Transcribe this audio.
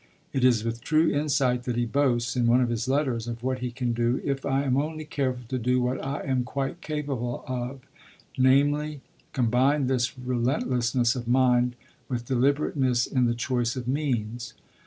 It is with true insight that he boasts, in one of his letters, of what he can do 'if I am only careful to do what I am quite capable of, namely, combine this relentlessness of mind with deliberateness in the choice of means.'